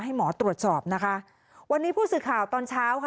ให้หมอตรวจสอบนะคะวันนี้ผู้สื่อข่าวตอนเช้าค่ะ